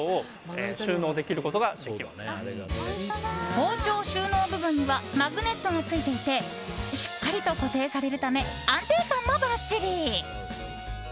包丁収納部分にはマグネットがついていてしっかりと固定されるため安定感もばっちり。